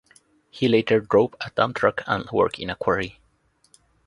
He later drove a dump truck and worked in a quarry.